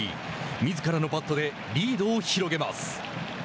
みずからのバットでリードを広げます。